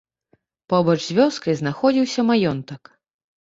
Побач з вёскай знаходзіўся маёнтак.